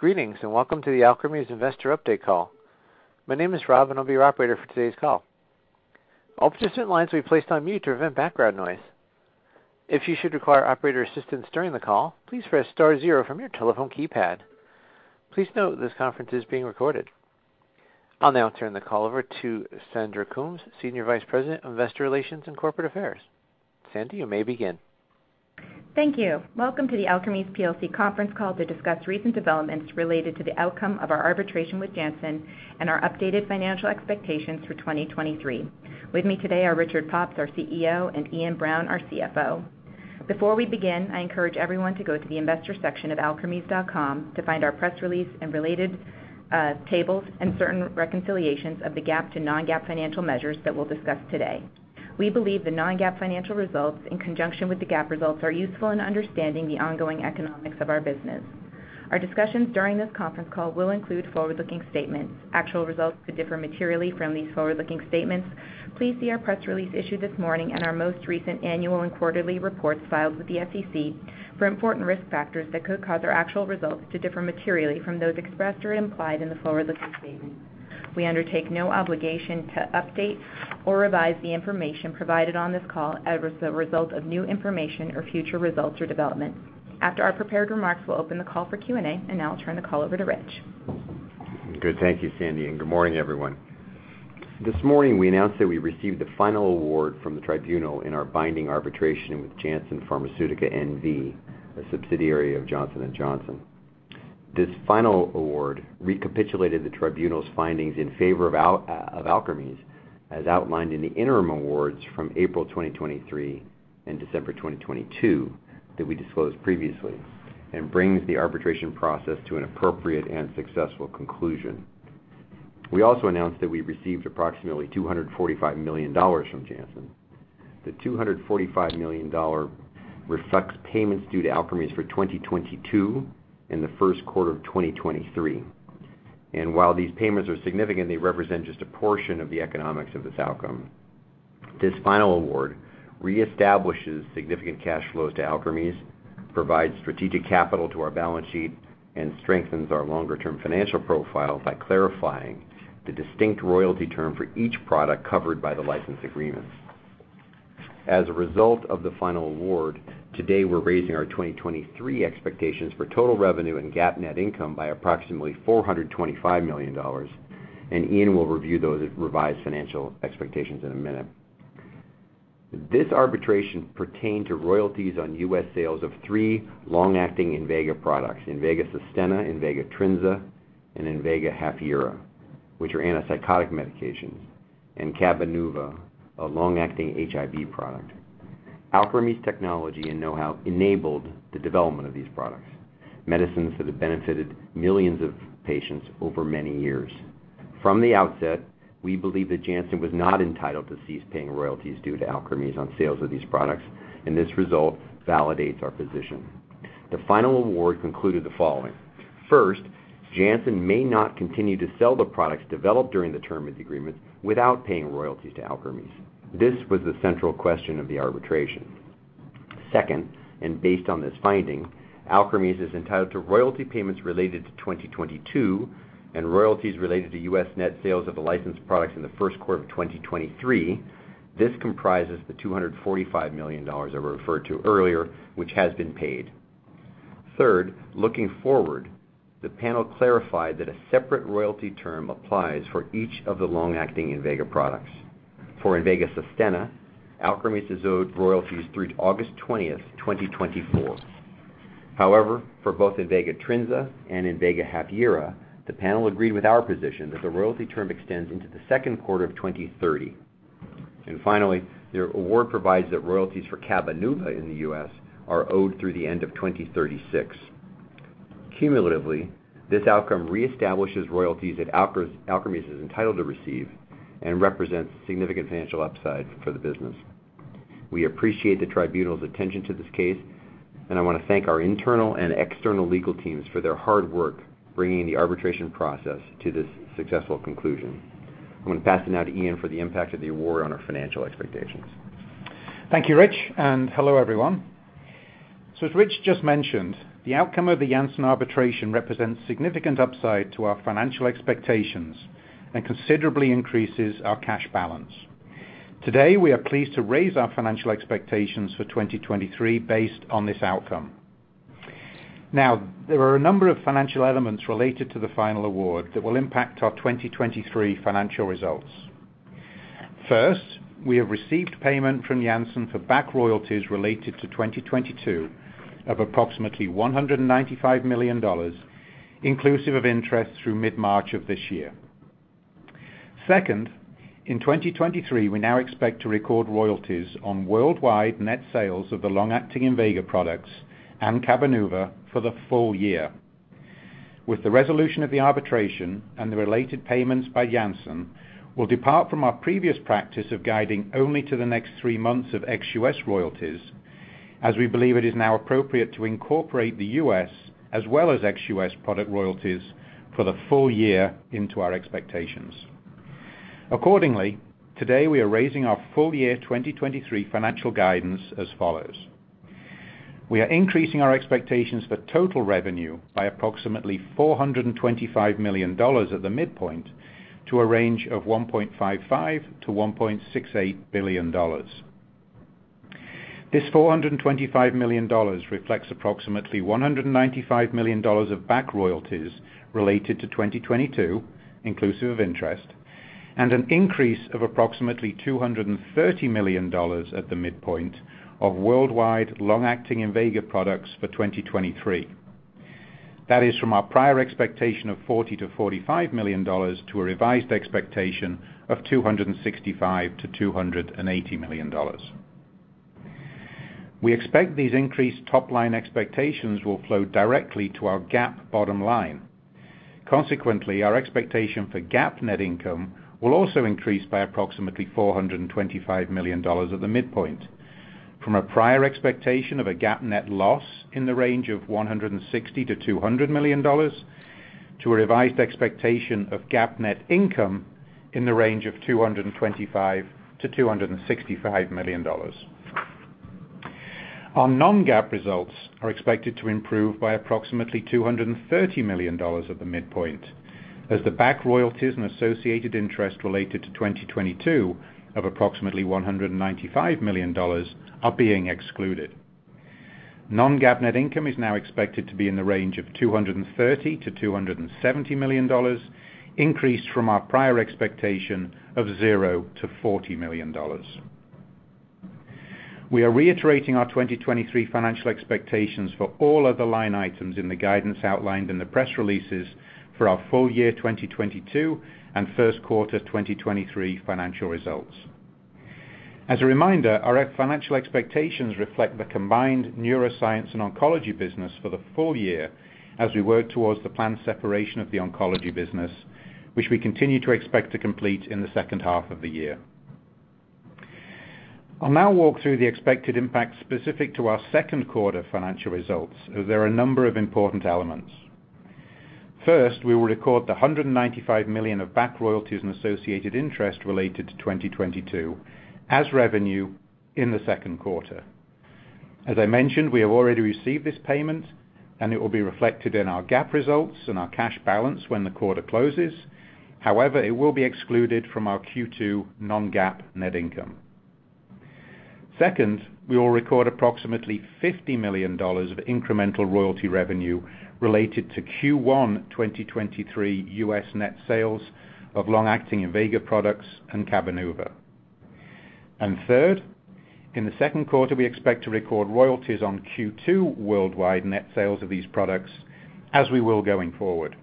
Greetings, welcome to the Alkermes Investor Update call. My name is Rob, and I'll be your operator for today's call. All participant lines will be placed on mute to prevent background noise. If you should require operator assistance during the call, please press star zero from your telephone keypad. Please note this conference is being recorded. I'll now turn the call over to Sandra Coombs, Senior Vice President of Investor Relations and Corporate Affairs. Sandy, you may begin. Thank you. Welcome to the Alkermes plc conference call to discuss recent developments related to the outcome of our arbitration with Janssen and our updated financial expectations for 2023. With me today are Richard Pops, our CEO, and Iain Brown, our CFO. Before we begin, I encourage everyone to go to the investor section of alkermes.com to find our press release and related tables and certain reconciliations of the GAAP to non-GAAP financial measures that we'll discuss today. We believe the non-GAAP financial results, in conjunction with the GAAP results, are useful in understanding the ongoing economics of our business. Our discussions during this conference call will include forward-looking statements. Actual results could differ materially from these forward-looking statements. Please see our press release issued this morning and our most recent annual and quarterly reports filed with the SEC for important risk factors that could cause our actual results to differ materially from those expressed or implied in the forward-looking statements. We undertake no obligation to update or revise the information provided on this call as a result of new information or future results or developments. After our prepared remarks, we'll open the call for Q&A, and now I'll turn the call over to Rich. Good. Thank you, Sandy. Good morning, everyone. This morning, we announced that we received the final award from the tribunal in our binding arbitration with Janssen Pharmaceutica N.V., a subsidiary of Johnson & Johnson. This final award recapitulated the tribunal's findings in favor of Alkermes, as outlined in the interim awards from April 2023 and December 2022 that we disclosed previously, and brings the arbitration process to an appropriate and successful conclusion. We also announced that we received approximately $245 million from Janssen. The $245 million reflects payments due to Alkermes for 2022 and the first quarter of 2023. While these payments are significant, they represent just a portion of the economics of this outcome. This final award reestablishes significant cash flows to Alkermes, provides strategic capital to our balance sheet, and strengthens our longer-term financial profile by clarifying the distinct royalty term for each product covered by the license agreements. As a result of the final award, today, we're raising our 2023 expectations for total revenue and GAAP net income by approximately $425 million. Iain will review those revised financial expectations in a minute. This arbitration pertained to royalties on U.S. sales of 3 long-acting INVEGA products, INVEGA SUSTENNA, INVEGA TRINZA, and INVEGA HAFYERA, which are antipsychotic medications, and Cabenuva, a long-acting HIV product. Alkermes' technology and know-how enabled the development of these products, medicines that have benefited millions of patients over many years. From the outset, we believed that Janssen was not entitled to cease paying royalties due to Alkermes on sales of these products, and this result validates our position. The final award concluded the following: First, Janssen may not continue to sell the products developed during the term of the agreements without paying royalties to Alkermes. This was the central question of the arbitration. Second, based on this finding, Alkermes is entitled to royalty payments related to 2022, and royalties related to U.S. net sales of the licensed products in the first quarter of 2023. This comprises the $245 million I referred to earlier, which has been paid. Third, looking forward, the panel clarified that a separate royalty term applies for each of the long-acting INVEGA products. For INVEGA SUSTENNA, Alkermes is owed royalties through to August 20, 2024. For both INVEGA TRINZA and INVEGA HAFYERA, the panel agreed with our position that the royalty term extends into the second quarter of 2030. Finally, the award provides that royalties for Cabenuva in the U.S. are owed through the end of 2036. Cumulatively, this outcome reestablishes royalties that Alkermes is entitled to receive and represents significant financial upside for the business. We appreciate the tribunal's attention to this case, and I want to thank our internal and external legal teams for their hard work bringing the arbitration process to this successful conclusion. I'm going to pass it now to Iain for the impact of the award on our financial expectations. Thank you, Rich. Hello, everyone. As Rich just mentioned, the outcome of the Janssen arbitration represents significant upside to our financial expectations and considerably increases our cash balance. Today, we are pleased to raise our financial expectations for 2023 based on this outcome. There are a number of financial elements related to the final award that will impact our 2023 financial results. First, we have received payment from Janssen for back royalties related to 2022 of approximately $195 million, inclusive of interest, through mid-March of this year. Second, in 2023, we now expect to record royalties on worldwide net sales of the long-acting INVEGA products and Cabenuva for the full year. With the resolution of the arbitration and the related payments by Janssen, we'll depart from our previous practice of guiding only to the next three months of ex-US royalties, as we believe it is now appropriate to incorporate the US as well as ex-US product royalties for the full year into our expectations. Accordingly, today we are raising our full year 2023 financial guidance as follows: We are increasing our expectations for total revenue by approximately $425 million at the midpoint to a range of $1.55 billion-$1.68 billion. This $425 million reflects approximately $195 million of back royalties related to 2022, inclusive of interest, and an increase of approximately $230 million at the midpoint of worldwide long-acting INVEGA products for 2023. That is from our prior expectation of $40 million-$45 million to a revised expectation of $265 million-$280 million. We expect these increased top-line expectations will flow directly to our GAAP bottom line. Our expectation for GAAP net income will also increase by approximately $425 million at the midpoint, from a prior expectation of a GAAP net loss in the range of $160 million-$200 million, to a revised expectation of GAAP net income in the range of $225 million-$265 million. Our non-GAAP results are expected to improve by approximately $230 million at the midpoint, as the back royalties and associated interest related to 2022 of approximately $195 million are being excluded. Non-GAAP net income is now expected to be in the range of $230 million-$270 million, increased from our prior expectation of $0-$40 million. We are reiterating our 2023 financial expectations for all other line items in the guidance outlined in the press releases for our full year 2022 and first quarter 2023 financial results. As a reminder, our financial expectations reflect the combined neuroscience and oncology business for the full year as we work towards the planned separation of the oncology business, which we continue to expect to complete in the second half of the year. I'll now walk through the expected impact specific to our second quarter financial results, as there are a number of important elements. First, we will record the $195 million of back royalties and associated interest related to 2022 as revenue in the second quarter. As I mentioned, we have already received this payment, and it will be reflected in our GAAP results and our cash balance when the quarter closes. It will be excluded from our Q2 non-GAAP net income. Second, we will record approximately $50 million of incremental royalty revenue related to Q1 2023 US net sales of long-acting INVEGA products and Cabenuva. Third, in the second quarter, we expect to record royalties on Q2 worldwide net sales of these products, as we will going forward.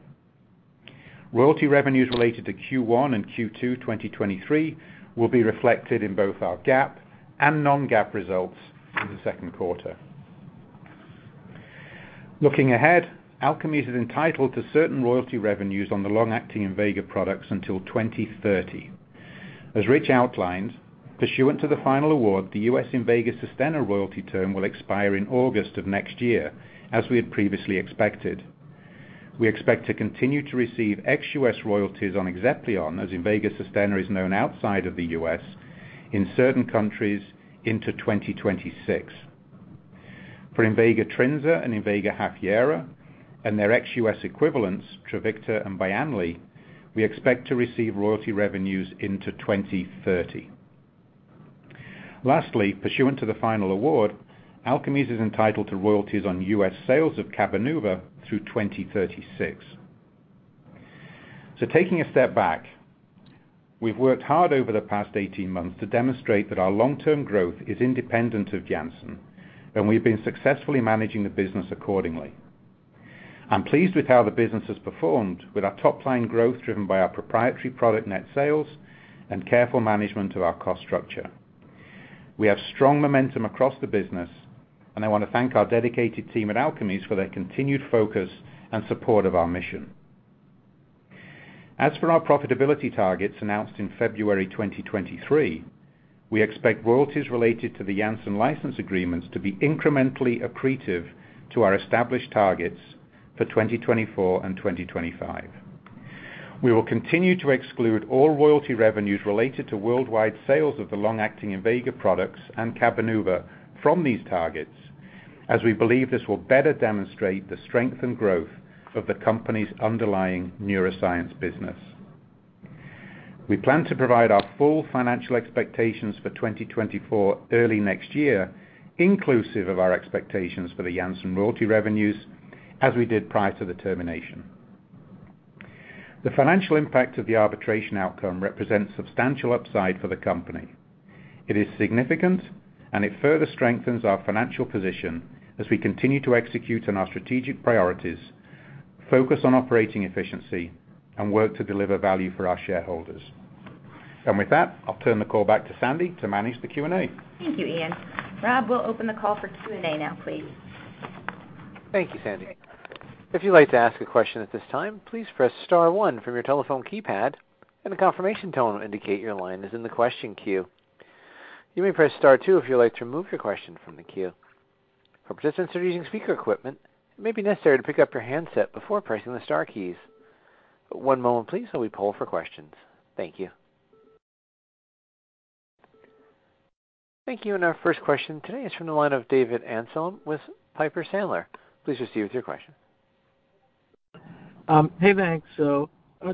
Royalty revenues related to Q1 and Q2 2023 will be reflected in both our GAAP and non-GAAP results for the second quarter. Looking ahead, Alkermes is entitled to certain royalty revenues on the long-acting INVEGA products until 2030. As Rich outlined, pursuant to the final award, the U.S. INVEGA SUSTENNA royalty term will expire in August of next year, as we had previously expected. We expect to continue to receive ex-U.S. royalties on XEPLION, as INVEGA SUSTENNA is known outside of the U.S., in certain countries into 2026. For INVEGA TRINZA and INVEGA HAFYERA and their ex-U.S. equivalents, TREVICTA and BYANNLI, we expect to receive royalty revenues into 2030. Lastly, pursuant to the final award, Alkermes is entitled to royalties on U.S. sales of Cabenuva through 2036. Taking a step back, we've worked hard over the past 18 months to demonstrate that our long-term growth is independent of Janssen, and we've been successfully managing the business accordingly. I'm pleased with how the business has performed with our top line growth, driven by our proprietary product net sales and careful management of our cost structure. We have strong momentum across the business, and I want to thank our dedicated team at Alkermes for their continued focus and support of our mission. As for our profitability targets announced in February 2023, we expect royalties related to the Janssen license agreements to be incrementally accretive to our established targets for 2024 and 2025. We will continue to exclude all royalty revenues related to worldwide sales of the long-acting INVEGA products and Cabenuva from these targets, as we believe this will better demonstrate the strength and growth of the company's underlying neuroscience business. We plan to provide our full financial expectations for 2024, early next year, inclusive of our expectations for the Janssen royalty revenues, as we did prior to the termination. The financial impact of the arbitration outcome represents substantial upside for the company. It is significant, it further strengthens our financial position as we continue to execute on our strategic priorities, focus on operating efficiency, and work to deliver value for our shareholders. With that, I'll turn the call back to Sandy to manage the Q&A. Thank you, Iain. Rob, we'll open the call for Q&A now, please. Thank you, Sandy. If you'd like to ask a question at this time, please press star one from your telephone keypad, and a confirmation tone will indicate your line is in the question queue. You may press star 2 if you'd like to remove your question from the queue. For participants who are using speaker equipment, it may be necessary to pick up your handset before pressing the star keys. One moment please, while we poll for questions. Thank you. Thank you. Our first question today is from the line of David Amsellem with Piper Sandler. Please proceed with your question. Hey, thanks.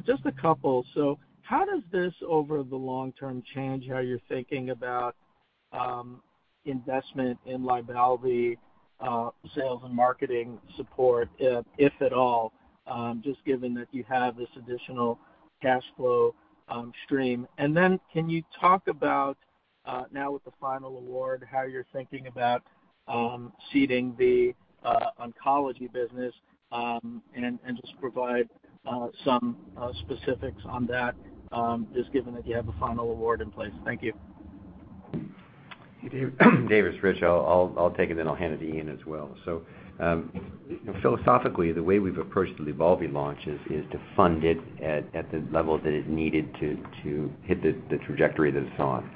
Just a couple. How does this, over the long term, change how you're thinking about investment in LYBALVI sales and marketing support, if at all, just given that you have this additional cash flow stream? Can you talk about now with the final award, how you're thinking about seeding the oncology business and just provide some specifics on that, just given that you have a final award in place? Thank you. Hey, David, it's Rich. I'll take it, then I'll hand it to Iain as well. Philosophically, the way we've approached the LYBALVI launch is to fund it at the level that it needed to hit the trajectory that it's on.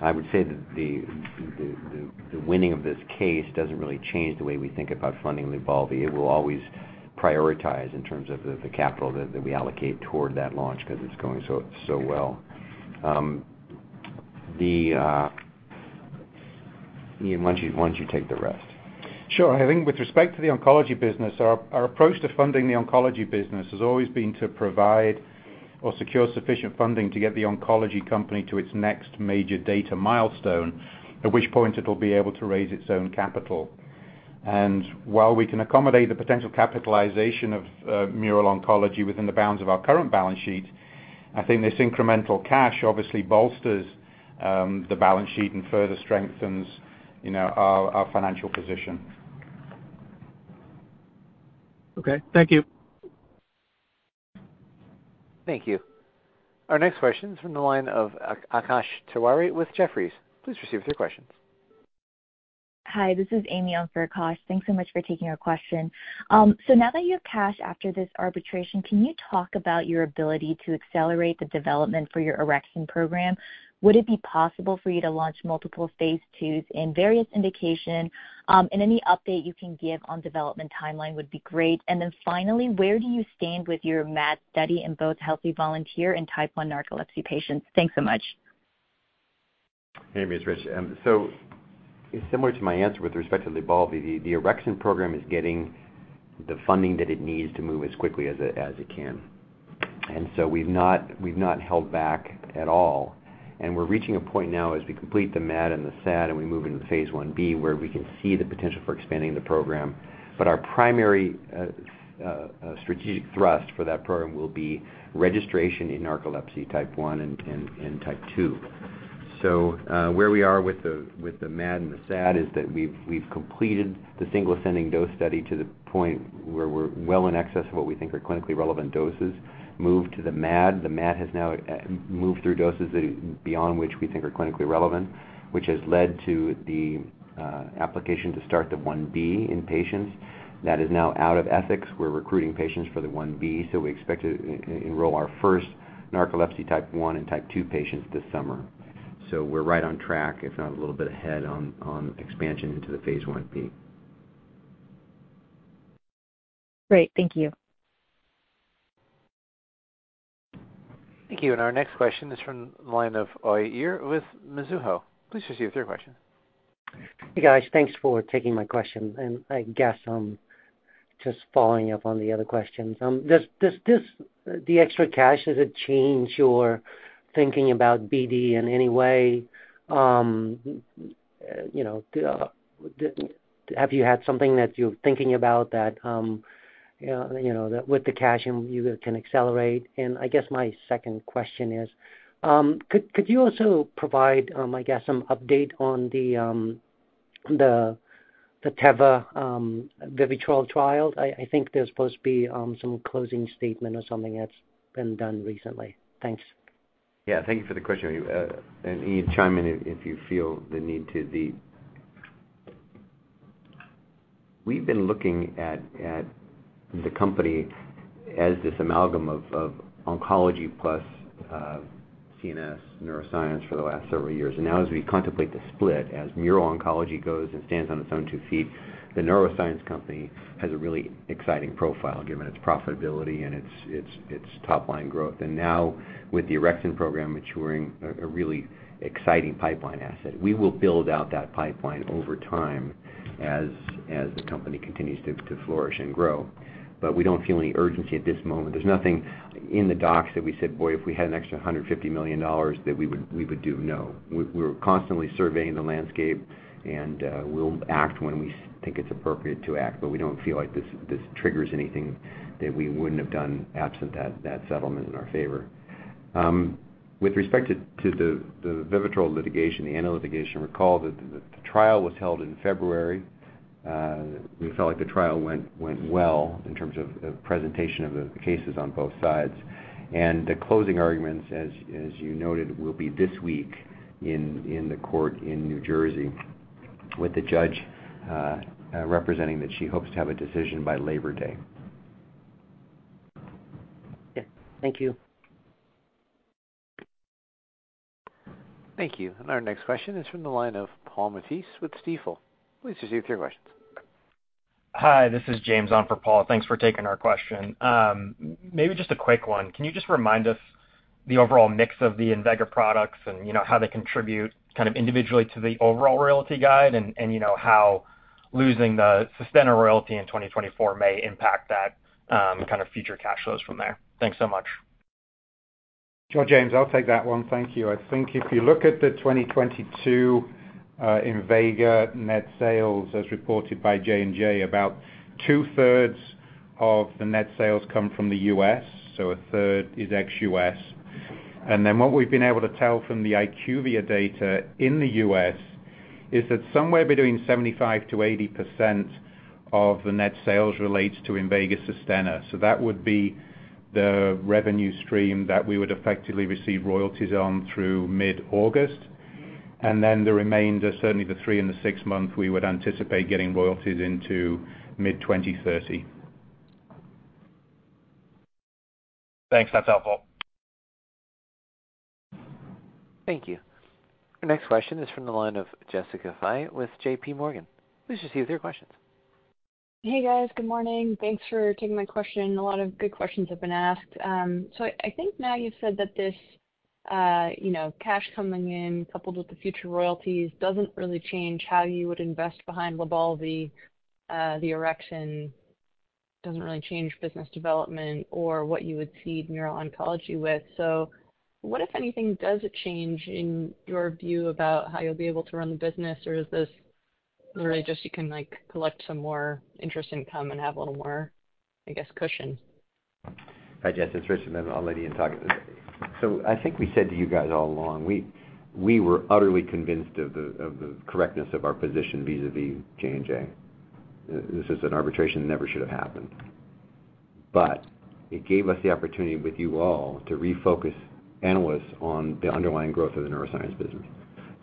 I would say that the winning of this case doesn't really change the way we think about funding LYBALVI. It will always prioritize in terms of the capital that we allocate toward that launch because it's going so well. Iain, why don't you take the rest? Sure. I think with respect to the oncology business, our approach to funding the oncology business has always been to provide or secure sufficient funding to get the oncology company to its next major data milestone, at which point it'll be able to raise its own capital. While we can accommodate the potential capitalization of Mural Oncology within the bounds of our current balance sheet, I think this incremental cash obviously bolsters the balance sheet and further strengthens, you know, our financial position. Okay, thank you. Thank you. Our next question is from the line of Akash Tewari with Jefferies. Please proceed with your questions. Hi, this is Amy on for Akash Tewari. Thanks so much for taking our question. Now that you have cash after this arbitration, can you talk about your ability to accelerate the development for your orexin program? Would it be possible for you to launch multiple phase IIs in various indication, and any update you can give on development timeline would be great. Finally, where do you stand with your MAD study in both healthy volunteer and type 1 narcolepsy patients? Thanks so much. Hey, it's Rich. Similar to my answer with respect to LYBALVI, the orexin program is getting the funding that it needs to move as quickly as it can. We've not held back at all, and we're reaching a point now as we complete the MAD and the SAD, and we move into the phase I-B, where we can see the potential for expanding the program. Our primary strategic thrust for that program will be registration in narcolepsy type 1 and type 2. Where we are with the MAD and the SAD is that we've completed the single ascending dose study to the point where we're well in excess of what we think are clinically relevant doses. Moved to the MAD. The MAD has now moved through doses that beyond which we think are clinically relevant, which has led to the application to start the phase I-B in patients. That is now out of ethics. We're recruiting patients for the phase I-B, we expect to enroll our first narcolepsy type 1 and type 2 patients this summer. We're right on track, if not a little bit ahead on expansion into the phase I-B. Great. Thank you. Thank you. Our next question is from the line of Uy Ear with Mizuho. Please proceed with your question. Hey, guys. Thanks for taking my question, and I guess I'm just following up on the other questions. Does this, the extra cash, does it change your thinking about BD in any way? You know, have you had something that you're thinking about that, you know, that with the cash you can accelerate? And I guess my second question is, could you also provide, I guess, some update on the Teva VIVITROL trial? I think there's supposed to be some closing statement or something that's been done recently. Thanks. Yeah, thank you for the question. Iain, chime in if you feel the need to. We've been looking at the company as this amalgam of oncology plus CNS neuroscience for the last several years. Now as we contemplate the split, as Mural Oncology goes and stands on its own two feet, the neuroscience company has a really exciting profile, given its profitability and its top-line growth. Now with the orexin program maturing a really exciting pipeline asset, we will build out that pipeline over time as the company continues to flourish and grow. We don't feel any urgency at this moment. There's nothing in the docs that we said: Boy, if we had an extra $150 million, that we would do. No. We're constantly surveying the landscape, and we'll act when we think it's appropriate to act, but we don't feel like this triggers anything that we wouldn't have done absent that settlement in our favor. With respect to the VIVITROL litigation, the ANDA litigation, recall that the trial was held in February. We felt like the trial went well in terms of presentation of the cases on both sides. The closing arguments, as you noted, will be this week in the court in New Jersey, with the judge representing that she hopes to have a decision by Labor Day. Yeah, thank you. Thank you. Our next question is from the line of Paul Matteis with Stifel. Please proceed with your questions. Hi, this is James on for Paul. Thanks for taking our question. Maybe just a quick one. Can you just remind us the overall mix of the INVEGA products, and, you know, how they contribute kind of individually to the overall royalty guide? You know, how losing the Sustenna royalty in 2024 may impact that, kind of future cash flows from there. Thanks so much. Sure, James, I'll take that one. Thank you. I think if you look at the 2022 INVEGA net sales as reported by J&J, about 2/3 of the net sales come from the U.S., so 1/3 is ex-U.S. Then what we've been able to tell from the IQVIA data in the U.S., is that somewhere between 75%-80% of the net sales relates to INVEGA SUSTENNA. That would be the revenue stream that we would effectively receive royalties on through mid-August. Then the remainder, certainly the 3 and the 6 month, we would anticipate getting royalties into mid 2030. Thanks. That's helpful. Thank you. Our next question is from the line of Jessica Fye with J.P. Morgan. Please proceed with your questions. Hey, guys. Good morning. Thanks for taking my question. A lot of good questions have been asked. I think now you've said that this, you know, cash coming in, coupled with the future royalties, doesn't really change how you would invest behind LYBALVI. The orexin doesn't really change business development or what you would seed Mural Oncology with. What, if anything, does it change in your view about how you'll be able to run the business, or is this really just you can, like, collect some more interest income and have a little more, I guess, cushion? Hi, Jess, it's Richard. I'll let Iain talk. I think we said to you guys all along, we were utterly convinced of the correctness of our position vis-a-vis J&J. This is an arbitration never should have happened. It gave us the opportunity with you all to refocus analysts on the underlying growth of the neuroscience business.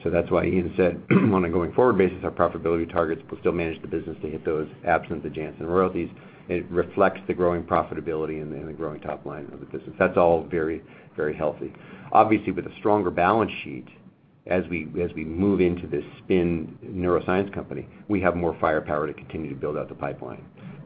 That's why Iain said, on a going-forward basis, our profitability targets will still manage the business to hit those absent the Janssen royalties. It reflects the growing profitability and the growing top line of the business. That's all very, very healthy. Obviously, with a stronger balance sheet, as we move into this spin neuroscience company, we have more firepower to continue to build out the pipeline.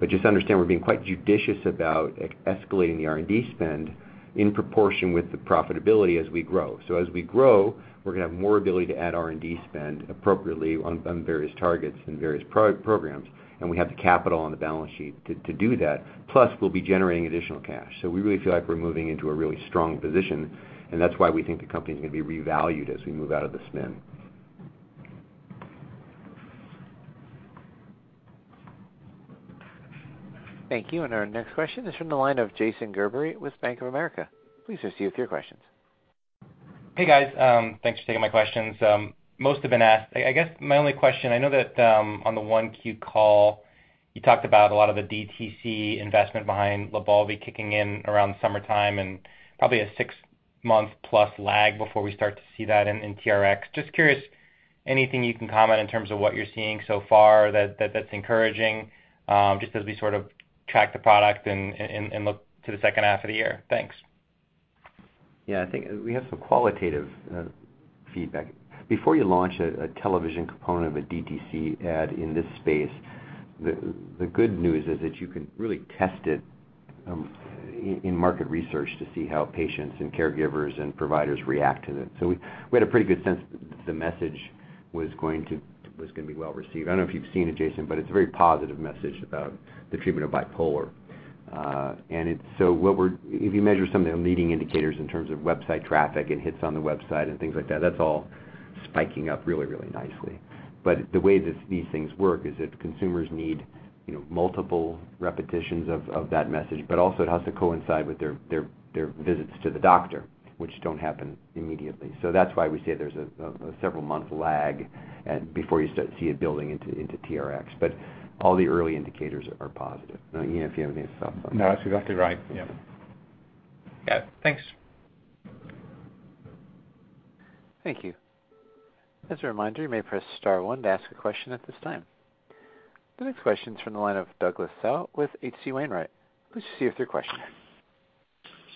Just understand, we're being quite judicious about escalating the R&D spend in proportion with the profitability as we grow. As we grow, we're gonna have more ability to add R&D spend appropriately on various targets and various programs, and we have the capital on the balance sheet to do that. Plus, we'll be generating additional cash. We really feel like we're moving into a really strong position, and that's why we think the company is going to be revalued as we move out of the spin. Thank you. Our next question is from the line of Jason Gerberry with Bank of America. Please proceed with your questions. Hey, guys. Thanks for taking my questions. Most have been asked. I guess my only question, I know that on the 1Q call, you talked about a lot of the DTC investment behind LYBALVI kicking in around summertime and probably a 6+months lag before we start to see that in TRX. Just curious, anything you can comment in terms of what you're seeing so far, that's encouraging, just as we sort of track the product and look to the second half of the year? Thanks. Yeah, I think we have some qualitative feedback. Before you launch a television component of a DTC ad in this space, the good news is that you can really test it in market research to see how patients and caregivers and providers react to it. We had a pretty good sense the message was going to be well received. I don't know if you've seen it, Jason, but it's a very positive message about the treatment of bipolar. It's so what we're... If you measure some of the leading indicators in terms of website traffic and hits on the website and things like that's all spiking up really, really nicely. The way that these things work is that consumers need, you know, multiple repetitions of that message, but also it has to coincide with their visits to the doctor, which don't happen immediately. That's why we say there's a several-month lag before you start to see it building into TRX. All the early indicators are positive. Now, Iain, if you have anything to say? No, that's exactly right. Yeah. Yeah, thanks. Thank you. As a reminder, you may press star one to ask a question at this time. The next question is from the line of Douglas Tsao with H.C. Wainwright. Please proceed with your question.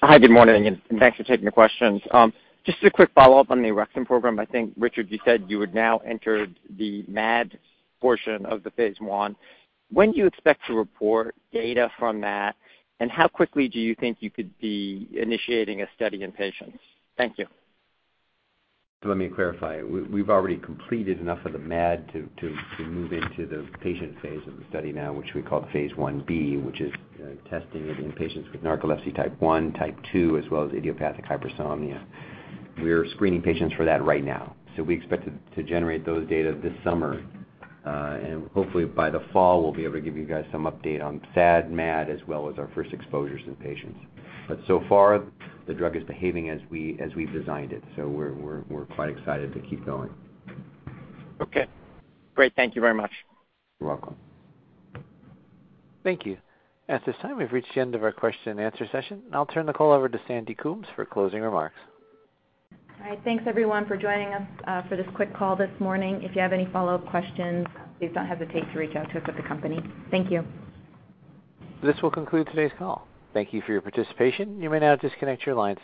Hi, good morning, and thanks for taking the questions. Just a quick follow-up on the orexin program. I think, Richard, you said you would now enter the MAD portion of the phase I. When do you expect to report data from that? How quickly do you think you could be initiating a study in patients? Thank you. Let me clarify. We've already completed enough of the MAD to move into the patient phase of the study now, which we call the Phase I-B, which is testing it in patients with narcolepsy type 1, type 2, as well as idiopathic hypersomnia. We're screening patients for that right now, so we expect to generate those data this summer. And hopefully by the fall, we'll be able to give you guys some update on SAD, MAD, as well as our first exposures to the patients. So far, the drug is behaving as we've designed it, so we're quite excited to keep going. Okay, great. Thank you very much. You're welcome. Thank you. At this time, we've reached the end of our question and answer session. I'll turn the call over to Sandra Coombs for closing remarks. All right. Thanks, everyone, for joining us for this quick call this morning. If you have any follow-up questions, please don't hesitate to reach out to us at the company. Thank you. This will conclude today's call. Thank you for your participation. You may now disconnect your lines.